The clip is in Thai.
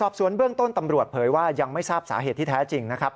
สวนเบื้องต้นตำรวจเผยว่ายังไม่ทราบสาเหตุที่แท้จริงนะครับ